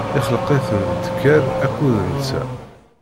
ixleq-iten d ddkeṛ akked nnta.